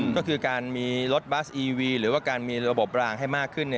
ก็คือการมีรถบัสอีวีหรือว่าการมีระบบรางให้มากขึ้น